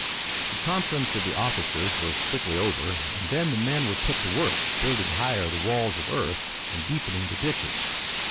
The conference of the officers was quickly over, and then the men were put to work building higher the walls of earth and deepening the ditches.